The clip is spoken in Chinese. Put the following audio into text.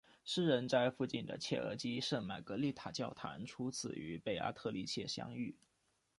诗人在附近的切尔基的圣玛格丽塔教堂初次与贝阿特丽切相遇。